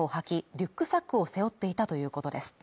リュックサックを背負っていたということです